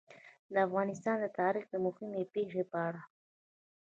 د افغانستان د تاریخ د مهمې پېښې په اړه.